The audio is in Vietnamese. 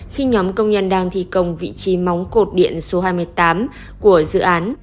khi nhóm công nhân đang thi công vị trí móng cột điện số hai mươi tám của dự án